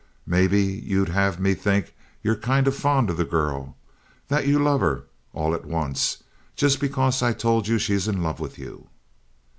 "Maybe you'd have me think you're kind of fond of the girl that you love her, all at once, just because I told you she's in love with you?"